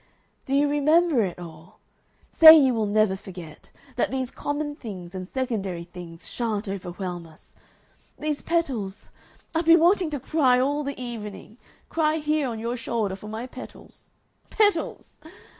Do you remember it all?... Say you will never forget! That these common things and secondary things sha'n't overwhelm us. These petals! I've been wanting to cry all the evening, cry here on your shoulder for my petals. Petals!...